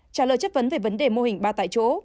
trả lời chất vấn về vấn đề mô hình ba tại chỗ